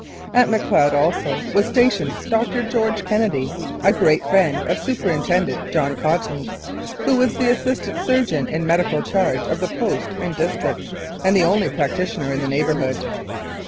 At Macleod also was stationed Dr. George Kennedy, a great friend of Superintendent John Cotton's, who was the assistant surgeon in medical charge of the post and district, and the only practitioner in that neighbourhood.